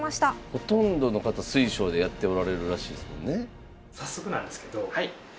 ほんとんどの方水匠でやっておられるらしいですもんね。